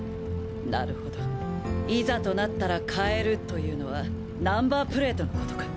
なるほど「いざとなったらかえる」というのはナンバープレートの事か！